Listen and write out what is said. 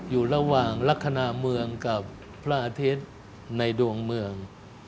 อยู่ระหว่างลักษณะเมืองกับพระอาทิตย์ในดวงเมือง